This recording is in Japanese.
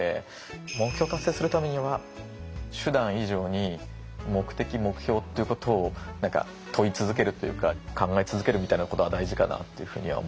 目標を達成するためには手段以上に目的目標ということを何か問い続けるというか考え続けるみたいなことが大事かなというふうには思いますね。